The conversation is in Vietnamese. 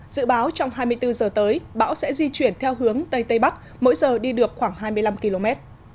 dự báo trong hai mươi bốn giờ tới bão sẽ di chuyển theo hướng tây tây bắc mỗi giờ đi được khoảng hai mươi năm km